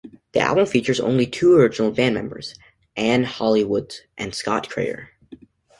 The album features only two original band members, Anne "Holly" Woods and Scott Kreyer.